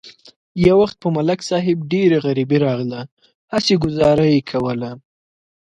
یو وخت په ملک صاحب ډېره غریبي راغله، هسې گذاره یې کوله.